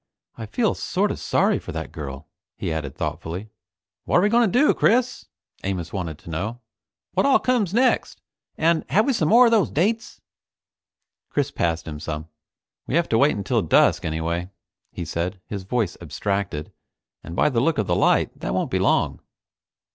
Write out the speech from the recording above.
I feel sort of sorry for that girl," he added thoughtfully. "What're we going to do, Chris?" Amos wanted to know. "What all comes next, and have we some more of those dates?" Chris passed him some. "We have to wait until dusk anyway," he said, his voice abstracted, "and by the look of the light that won't be long."